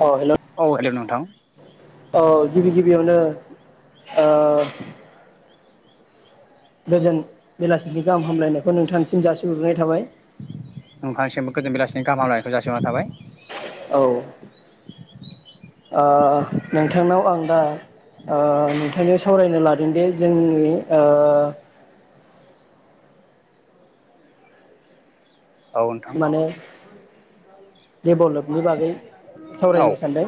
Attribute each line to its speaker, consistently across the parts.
Speaker 1: अ hello
Speaker 2: औ hello नोंथां
Speaker 1: औ गिबि गिबियावनो ओ गोजोन बेलासिनि गाहाम हामलायनायखौ नोंथांनिसिम जासिहरग्रोनाय थाबाय
Speaker 2: नोंथांसिमबो गोजोन बेलासिनि गाहामनायखौ जासिहरना थाबाय
Speaker 1: औ ओ नोंथांनाव आं दा ओ नोंथांनि सावरायनो लादोंदि जोंनि ओ
Speaker 2: औ नोथां
Speaker 1: डेभलपनि बागै
Speaker 2: औ
Speaker 1: सावरायनो सानदों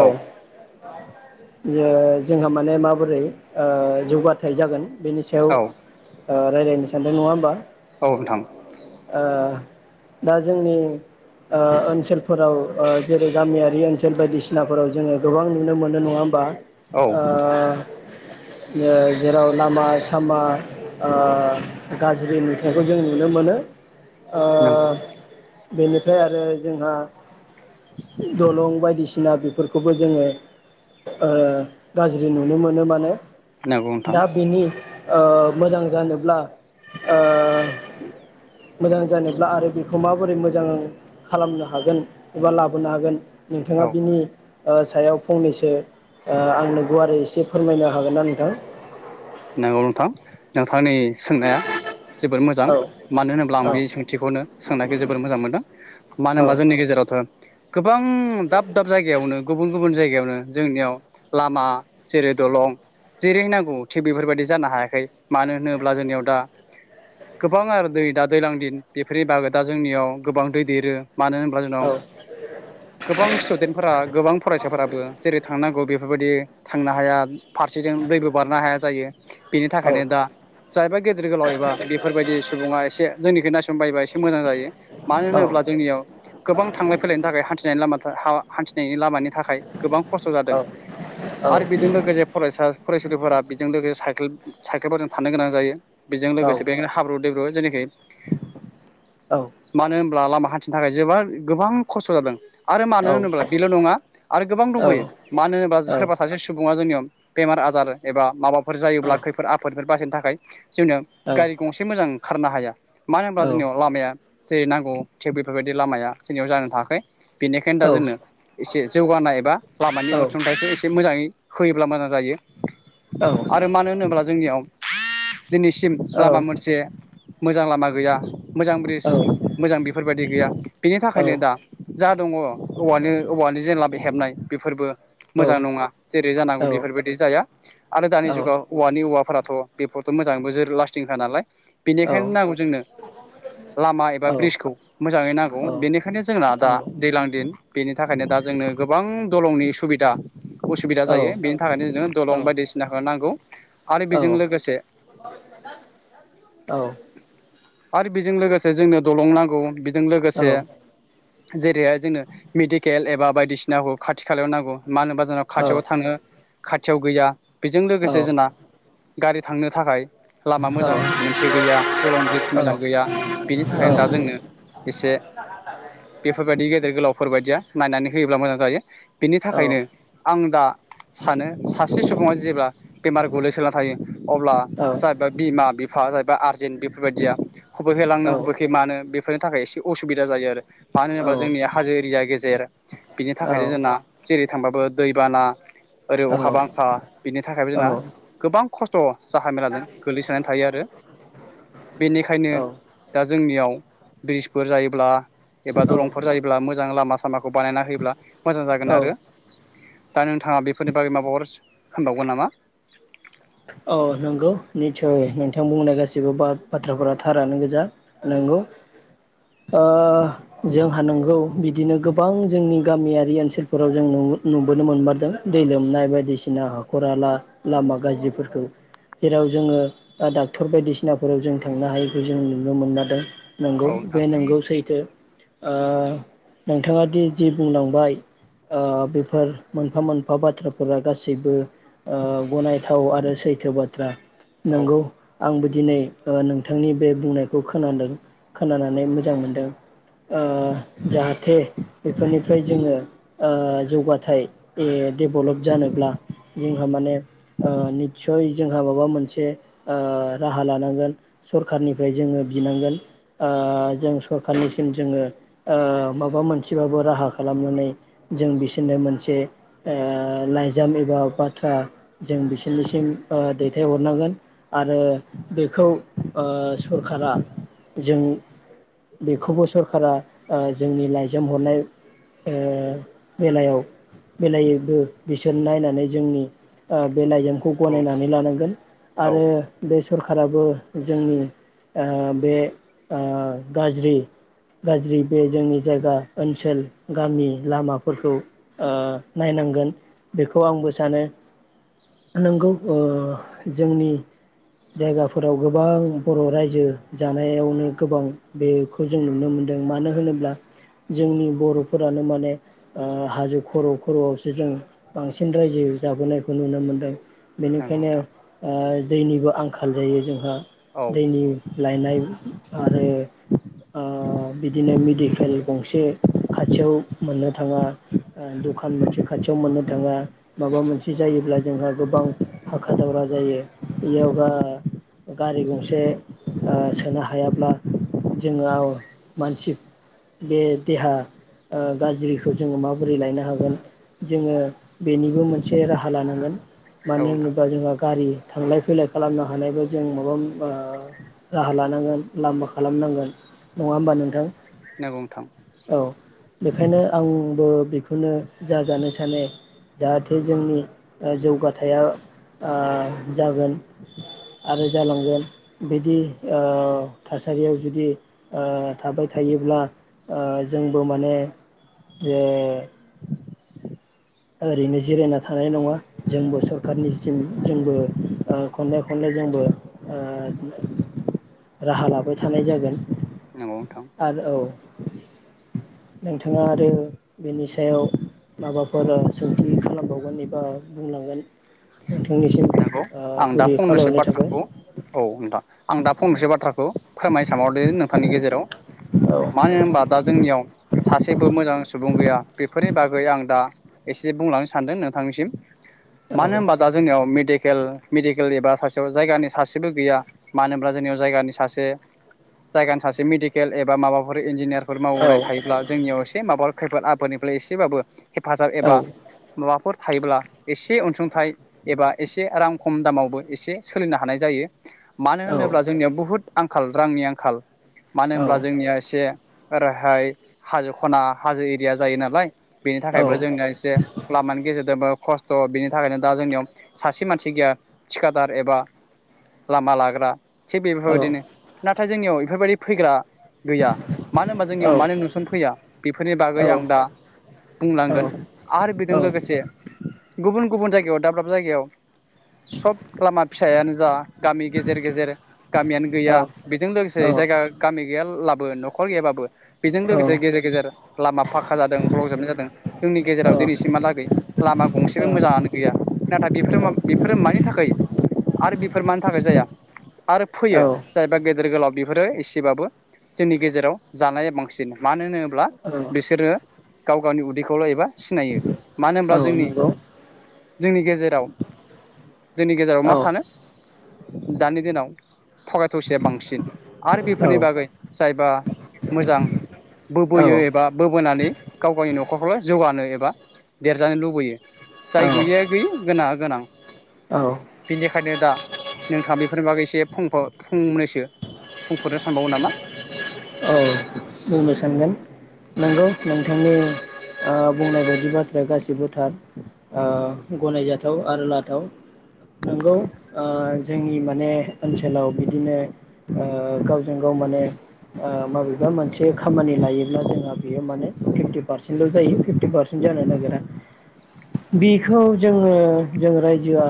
Speaker 1: औ जे जोंहा माने माबोरै ओ जौगाथाय जागोन बेनि सायाव
Speaker 2: औ
Speaker 1: ओ रायज्लायनो सानदों नङा होनबा
Speaker 2: औ नोंथां
Speaker 1: ओ दा जोंनि ओ ओनसोलफोराव जेरै गामियारि ओनसोल बायदिसिनाफोराव जोङो गोबां नुनो मोनो नङा होमबा।
Speaker 2: औ
Speaker 1: ओ जेराव लामा सामा ओ गाज्रि नुथायखौ जों नुनो मोनो। ओ
Speaker 2: नांगौ।
Speaker 1: बेनिफ्राय आरो जोंहा दलं बायदिसिना बेफोरखौबो जोङो ओ गाज्रि नुनो मोनो माने।
Speaker 2: नंगौ नोंथां
Speaker 1: दाबेनि ओ मोजां जानोब्ला ओ मोजां जा ब्ला आरो बेखौ माबोरै मोजां खालामनो हागोन एबा लाबोनो हागोन नोंथाङा
Speaker 2: औ
Speaker 1: बिनि ओ सायाव फंनैसो ओ आंनो गुवारै एसे फोरमायनो हागोनना नोंथां?
Speaker 2: नंगौ नोंथां नोंथांनि सोंनाया जोबोर मोजां
Speaker 1: औ
Speaker 2: मानो होनोब्ला
Speaker 1: औ
Speaker 2: आं बे सोंथिखौनो सोंनायखौ जोबोर मोजां मोनदों। मानो होनबा जोंनि गेजेरावथ' गोबां दाब दाब जायगायावनो गुबुन गुबुन जायगायावनो जोंनियाव लामा जेरै दलं जेरै नांगौ थिग बेफोरबायदि जानो हायाखै मानो होनोब्ला जोंनियाव दा गोबां आरो दै दा दैज्लां दिन बेफोरनि बागै दा जोंनियाव गोबां दै देरो। मानो होनब्ला जोंनाव
Speaker 1: औ
Speaker 2: गोबां स्टुडेन्टफोरा गोबां फरायसाफोराबो जेरै थांनांगौ बे बेफोरबायदि थांनो हाया फारसेथिं दैबो बारनो हाया। जायो। बेनि
Speaker 1: औ
Speaker 2: थाखायनो दा जायबा गेदेर गोलाव एबा बेफोरबायदि सुबुङा एसे जोंनिखि नायसननो बायोबा एसे मोजां जायो। मानो
Speaker 1: औ
Speaker 2: होनोब्ला जोंनियाव गोबां थांलाय फैलायनि थाखाय हान्थिनायनिलामा हा-हान्थिनायनि लामानि थाखाय गोबां खस्थ'
Speaker 1: औ
Speaker 2: जादों
Speaker 1: औ
Speaker 2: आरो बेजों लोगोसे फरायसा फरायसुलिफोरा बेजों लोगोसे साइेल साइकेलफोरजों थानो गोनां जायो बेजों लोगोसे हाब्रु दैब्रु जेखि
Speaker 1: औ
Speaker 2: मानो होनोब्ला लामा हान्थिनो थाखाय जोबोर गोबां खस्थ' जादों आरो मानो होनोब्ला बेल' नङा आरो गोबां दंबोयो मानो होनोब्ला
Speaker 1: औ औ
Speaker 2: सोरबा सासे सुबुङा जोंनियाव बेमार आजार एबा माबाफोर
Speaker 1: औ
Speaker 2: जायोब्ला खैफोद आफोदफोर बासायनो थाखाय जोंनो गारि गंसे मोजां ओंखारनो हाया मानो होनब्ला जोंनियाव लामाया जेरै नांगौ थिक बेफोरबायदि लामाया जोंनियाव जानो थाङाखै बेनिखायनो दा जोंनो एसे जौगानाय एबा लामानि अनसुंथाइखौ एसे मोजाङै होयोब्ला मोजां जायो। आरो मानो होनोब्ला जोंनियाव दिनैसिम लामा मोनसे मोजां लामा गैया मोजां ब्रिज मोजां बेफोरबायदि गैया बेनि थाखायनो दा जा दङ औवा औवानि जेला हेबनाय बेफोरबो मोजां नङा जेरै जानांगौ बेफोरबायदि जाया। आरो दानि जुगाव औवानि औवाफोराथ' बेफोरथ' मोजाङैबो जोर लास्टिं होआ नालाय बेनिखायनो नांगौ जोंनो लामा एबा ब्रिजखौ मोजाङै नांगौ बेनिखायनो जोंना दा दैज्लां दिन बेनि थाखायनो दा जोंनो गोबां दलंनि सुबिदा उसुबिदा जायो बेनि थाखायनो जों
Speaker 1: औ
Speaker 2: दलं बायदिसिनाखौ नांगौ
Speaker 1: औ
Speaker 2: आरो बेजों लोगोसे आरो बेजों लोगोसे जोंनो दलं नांगौ बेजों लोगोसे जेरैहाय जोंनो मिदिकेल एबा बायदिसिनाखौ खाथि खालायाव नांगौ मानो होनोब्ला जोंहा खाथियाव थांनो खाथि खाथियाव गैया बेजों लोगोसे जोंना गारि थांनो थाखाय लामा मोजां मोनसे गैया दलं ब्रिज मोजां गैया बेनि थाखायनो दा जोंनो एसे बेफोरबायदि गेदेर गोलावफोरबायदिया नायनानै होयोब्ला मोजां जायो बेनि थाखायनो आं दा सानो सासे सुबुङा जेब्ला बेमार गोलैसोनानै थायो अब्ला जाहबा बिमा बिफा जाहैबा आरजेेनट बेफोरबायदिया। हबेखे लांनो हबेखे मानो बे बेफोरनि थाखाय एसे असुबिदा जायो आरो मानो होनोब्ला जोंनिया हाजो एरिया गेजेर बिनि थाखायनो जोंना जेरै थांबाबो दैबाना ओरै अखा बांखा बिनि थाखायबो
Speaker 1: औ
Speaker 2: जोंना गोबां खस्थ' जाहामेलाजों गोग्लैसोनानै थायो आरो बेनिखायनो दा जोंनियाव ब्रिजफोर जायोब्ला एबा दलंफोर जायोब्ला मोजां लामा सामाखौ बानायना होयोब्ला मोजां जागोन आरो
Speaker 1: औ औ
Speaker 2: दा नोंथाङा बेफोरनि बागै माबाफोर होनबावगोन नामा?
Speaker 1: औ नंगौ निसय नोंथां बुंनाय गासैबो बा बाथ्राफोरा थारानो गोजा नंगौ ओ जोंहा नोंगौ बिदिनो गोबां जोंनि गामियारि ओनसोलफोराव जों न नुबोनो मोनमारदों दै लोमनाय बायदिसिना हाखरहाला लामा गाज्रिफोरखौ ओ जेराव जोङो डाक्टर बायदिसिनाफोराव जों थांनो हायैखौ जों नुनो मोनना दों नंगौ
Speaker 2: औ नोंथां
Speaker 1: बे नंगौ सैथो। ओ नोंथाङा दि जि बुंलांबाय ओ बेफोर मोनफा मोनफा बाथ्राफोरा गासैबो ओ गनायथाव आरो सैथो बाथ्रा
Speaker 2: औ
Speaker 1: नंगौ आं बिदि दिनै ओ नोंथांनि बे बुंनायखौ खोनादों खोनानानै मोजां मोनदों ओ जाहाथे बेफोरनिफ्राय जोङो ओ जौगाथायाइ डेभेलप जानोब्ला जोंहा माने ओ सय जोंहा माबा मोनसे ओ राहा लानांगोन सरखारनिफ्राय जोङो बिनांगोन ओ जों सरखारनिसिम जोङो ओ माबा मोनसेबाबो राहा खालामनानै जों बिसोरनो मोनसे ओ लाइजाम एबा बाथ्रा जों बिसोरनि [unintelligible] दैथायहरनांगोन आरो बेखौ ओ सरखारा जों बेखौबो सरखारा ओ जोंनि लाइजाम हरनाय ओ बेलायाव बेलायैबो बिसोर नायनानै जोंनि ओ बे लाइजामनि
Speaker 2: औ नोंथां
Speaker 1: गनायनानै लानांगोन
Speaker 2: औ
Speaker 1: आरो बे सरखाराबो जोंनि ओ बे ओ गाज्रि गाज्रि बे जोंनि जायगा ओनसोल गामि लामाफोरखौ ओ नायनांगोन बेखौ आंबो सानो नोंगौ ओ जोंनि जायगाफोराव गोबां बर' रायजो जानायावनो गोबां बेखौ जों नुनो मोनदों मानो होनोब्ला जोंनि बर'फोरानो माने ओ हाजो खर' खर'आवसो जों बांसिन रायजो जाबोनायखौ नुनो मोनदों
Speaker 2: नंगौ
Speaker 1: बेनिखायनो
Speaker 2: नोंथां
Speaker 1: ओ दैनिबो आंखाल जायो जोंहा
Speaker 2: औ
Speaker 1: दैनि लायनाय आरो ओ बिदिनो मेडिकेल गंसे खाथियाव मोननो थाङा ओ दखान मोनसे खाथियाव मोननो थाङा माबा मोनसे जायोब्ला जोंहा गोबां हाखा दावरा जायो बेयाव गा-गारि गंसे ओ सोनो हायाब्ला जोङ मानसि बे देहा ओ गाज्रिखौ जोङो माबोरै लायनो हागोन जोङो बेनिबो मोनसे राहा लानांगोन
Speaker 2: औ
Speaker 1: मानो
Speaker 2: नोंथां
Speaker 1: होनोब्ला जोंहा गारि थांलाय फैलाय खालामनो हानायबो जों माबा ओ राहा लानांगोन लामा खालामनांगोन नङा होमबा नोंथां
Speaker 2: नंगौ नोंथां
Speaker 1: औ बेखायनो आंबो बेखौनो जाजानो सानो जाहाथे जोंनि ओ जौग थाया ओ जागोन आरो जालांगोन बिदि ओ थासारियाव जुदि ओ थाबाय थायोब्ला ओ जोंबो माने जे ओरैनो जिरायना थानाय नङा जोंबो सरखारारनिसिम जोंबो ओ खनले खनले जोंबो ओ राहा लाबाय थानाय जागोन
Speaker 2: नंगौ नोंथां
Speaker 1: आरो औ नोंथाङा आरो बेनि सायाव माबाफोर सोंथि खालामबावगोन एबा बुंलांगोन नोंथांनिसिम
Speaker 2: नंगौ
Speaker 1: ओ
Speaker 2: आं दा
Speaker 1: गुरै
Speaker 2: फंनैसो
Speaker 1: खावलायहरनाय थाबाय
Speaker 2: बाथ्राखौ औ नोंथां आं दा फंनैसो बाथ्राखौ फोरमायसानहरदो नोंथांनि गेजेराव
Speaker 1: औ
Speaker 2: मानो होनबा दा जोंनियाव सासेबो मोजां सुबुं गैया बेफोरनि बागै आं दा एसे बुंलांनो सानदों नोंथांनिसिम मानो
Speaker 1: औ
Speaker 2: होनबा दा जोंनियाव [unintelligible] मेडिकेल एबा सासेयाव जायगानि सासेबो गैया मानो होनब्ला जोंनियाव जायगानिासे जायगानि सासे मेडिकेल एबा माबाफोर इन्जिनियार फोर मावनाय
Speaker 1: औ
Speaker 2: थायोब्ला जोंनियाव एसे माबा खैफोद आफादनिफ्राय एसेबाबो हेफाजाब एबा
Speaker 1: औ
Speaker 2: माबाफोर थायोब्ला एसे अनसुंथाइ एबा एसे रां खम दामावबो एसे सोलिनो हानाय जायो मानो
Speaker 1: औ
Speaker 2: होनोब्ला जोंनियाव बुहुत आंखाल रांनि आंखाल। मानो
Speaker 1: औ
Speaker 2: होनब्ला जोंनिया एसे ओरैहाय हाजो खना हाजो एरिया जायो नालाय। बेनि थाखायबो जोंनो एसे लामानि गेजेरजोंबो खस्थ' बिनि थाखायनो दा जोंनियाव सासे मानसि गैया थिखादार एबा लामा लाग्रा थिग बेफोरबायदिनो नाथाय जोंनियाव बेफोरबायदि फैग्रा गैया मानो होनबा जोंनियाव मानो नुसनफैया बेफोरनि बागै आं दा बुंलांगोन आरो बेजों लोगोसे गुबुन गुबुन जायगायावा दाब दा जायगायाव सब लामा फिसायानो जा गामि गेजेर गेजेर गामियानो गैया बेजों लोगोसे जायगा गामि गैया लाबो न'खर गैयाबाबो बेजों लोगोसे गेजेर गेजेर लामा फाखा जादों ब्लक जाबनाय जादों जोंनि गेजेराव दिनैसिमहालागै लामा गंसेबो मोजाङानो गैया। नाथाय बेफोरो बेफोरो मानि थाखाय आरो बेफोर मानि थाखाय जाया आरो
Speaker 1: औ
Speaker 2: फैयो जायबा गेदेर गोलाव बेफोरो एसेबाबो जोंनि गेजेराव जानाया बांसिन मानो होनोब्ला
Speaker 1: औ
Speaker 2: बिसोरो गाव गावनि उदैखौल' एबा सिनायो। मानो
Speaker 1: औ
Speaker 2: होनब्ला जोंनि
Speaker 1: नंगौ
Speaker 2: जोंनि जेराव जोंनि गेजेराव मा
Speaker 1: औ
Speaker 2: सानो दानि दिनाव थगाय थसिया बांसिन आरो
Speaker 1: औ
Speaker 2: बेफोरनि बागै जायबा मोजां बोबोयो एबा
Speaker 1: औ
Speaker 2: बोबोनानै गाव गावनि न'खरखौल' जौगानो एबा देरजानो लुबैयो जाय गैयैया गैयै गोनाङा गोनां
Speaker 1: औ औ
Speaker 2: बेनिखायनो दा नोंथाङा बेफोरनि बागै एसे फंफा फंनैसो बुंफोरनो सानबावो नामा?
Speaker 1: औ बुंनो सानगोन नंगौ बिदि बाथ्राया गासिबो थार गनायजाथाव आरो लाथाव नंगौ ओ जोंनि माने ओनसोलाव बिदिनो ओ गावजों गाव माने ओ मबेबा मोनसे खामानि लायोब्ला जोंहा बेयो माने फिफ्टि पारसेन्टल' जायो फिफ्टि पारसेन्ट जानो नागिरा बेखौ जोङो जों रायजोआ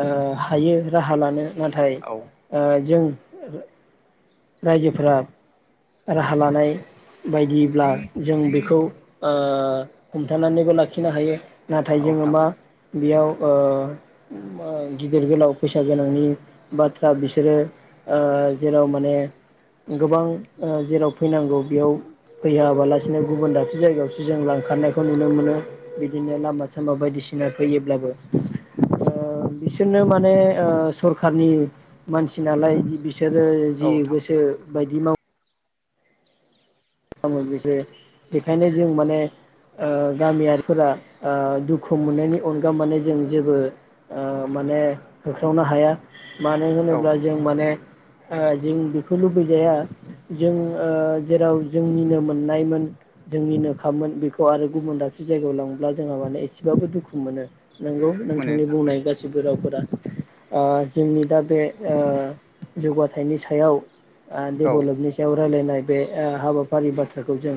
Speaker 1: ओ हायो राहा लानो नाथाय
Speaker 2: औ
Speaker 1: ओ जों आरो रायजोफोरा राहा लानाय बायदिब्ला जों बेखौ ओ हमथानानैबो लाखिनो हायो। नाथाय
Speaker 2: औ
Speaker 1: जोङो
Speaker 2: नोंथां
Speaker 1: मा बेयाव ओ ओ गिदिर गोलाव फैसा गोनांनि बाथ्रा बिसोरो ओ जेराव माने गोबां ओ जेराव फैनांगौ बेयाव फैयाबालासिनो गुबुन दाबसे जायगायावसो जों लांखारनायखौ नुनो मोनो बिदिनो लामा सामा बायदिसिना फैयोब्लाबो ओ बिसोरनो माने ओ सरखारनि मानसि नालाय बिसोरो
Speaker 2: औ
Speaker 1: जि
Speaker 2: नोंथां
Speaker 1: गोसो बायदि मावो खालामो बिसोरो बेखायनो जों माने ओ गामियारिफोरा ओ दुखु मोननायनि अनगा माने जों जेबो ओ माने होख्रावनो हाया। मानो
Speaker 2: औ
Speaker 1: होनोब्ला जों माने ओ जों बेखौ लुबैजाया जों ओ जेराव जोंनिनो मोननायमोन जोंनिनो खामोन बेखौ आरो गुबुन दाबसे जायगायाव लांब्ला जोंहा माने एसेबाबो दुखु मोनो। नंगौ
Speaker 2: मोनो
Speaker 1: नोंथांनि
Speaker 2: नोंथां
Speaker 1: बुंनाय गासिबो रावफोरा ओ जोंनि दा बे ओ जौगाथायनि सायाव आ
Speaker 2: औ
Speaker 1: देबलबनि सायाव रायलायनाय बे हाबा फारि बाथ्राखौ जों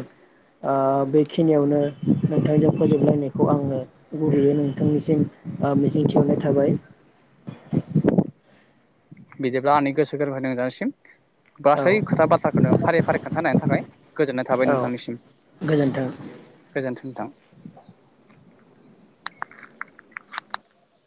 Speaker 1: ओ बेखिनियावनो नोंथांजों फोजोबलायनायखौ आङो गुरैयै नोंथांनिसिम आ मिजिंथिहरनाय थाबाय
Speaker 2: बिदिब्ला आंनि गोसो गोरबोनिफ्राय नोंथांनिसिम
Speaker 1: औ
Speaker 2: गासै खोथा बाथ्राखौनो फारि फारि खोन्थानायनि थाखाय गोजोननाय थाबाय
Speaker 1: औ
Speaker 2: नोंथांनिसिम
Speaker 1: गोजोन्थों।
Speaker 2: गोजोनथों नोंथां